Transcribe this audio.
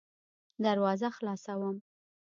دروازه خلاصوم .